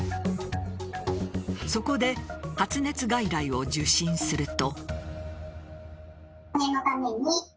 そこで、発熱外来を受診すると。